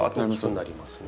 なりますね。